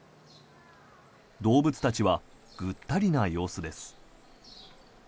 動物たちはぐったりな様子です。